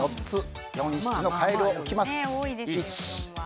４匹のカエルを置きます。